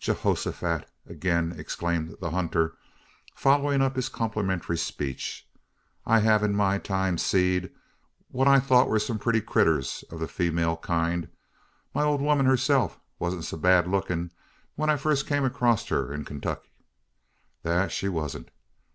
"Geehosofat!" again exclaimed the hunter, following up his complimentary speech, "I hev in my time seed what I thort war some putty critters o' the sheemale kind my ole 'ooman herself warn't so bad lookin' when I fast kim acrost her in Kaintuck thet she warn't.